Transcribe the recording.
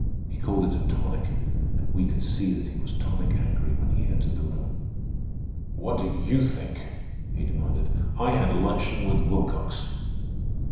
He called it a tonic. And we could see that he was tonic angry when he entered the room. "What do you think?" he demanded. "I had luncheon with Wilcox."